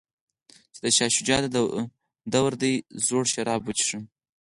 چې د شاه شجاع دور دی زړور شراب وڅښه.